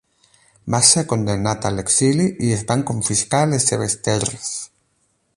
Va ser condemnat a l'exili i es van confiscar les seves terres.